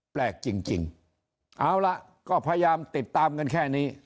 แปลกจริงเอาล่ะก็พยายามติดตามกันแค่นี้